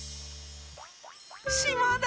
しまだ！